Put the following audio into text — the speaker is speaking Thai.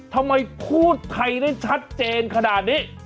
ทำไมพูดไทยได้ชัดเจนขนาดนี้